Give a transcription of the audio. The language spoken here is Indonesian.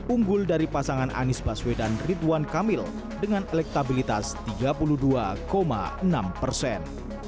unggul dari pasangan anies baswedan ridwan kamil dengan elektabilitas tiga puluh dua enam persen